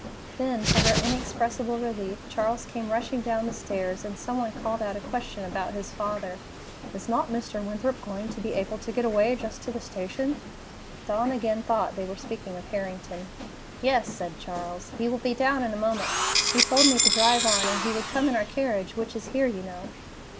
Then, to her inexpressible relief, Charles came rushing down the stairs, and some one called out a question about his father: "Is not Mr. Winthrop going to be able to get away just to the station?" Dawn again thought they were speaking of Harrington. "Yes," said Charles; "he will be down in a moment. He told me to drive on, and he would come in our carriage, which is here, you know."